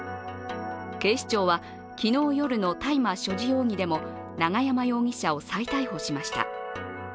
警視庁は昨日夜の大麻所持容疑でも永山容疑者を再逮捕しました。